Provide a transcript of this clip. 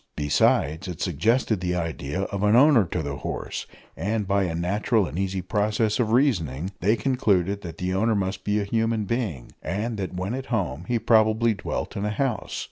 Besides, it suggested the idea of an owner to the horse; and by a natural and easy process of reasoning they concluded that the owner must be a human being, and that, when at home, he probably dwelt in a house.